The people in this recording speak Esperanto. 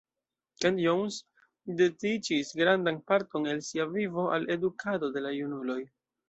Kent Jones dediĉis grandan parton el sia vivo al edukado de la junuloj.